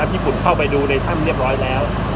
ที่คุณเข้าไปดูในถ้ำเรียบร้อยแล้ว